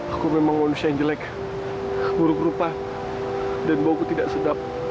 aku memang manusia yang jelek buruk rupa dan bauku tidak sedap